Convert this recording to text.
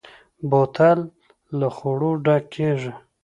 بوتل له خولو ډک کېږي.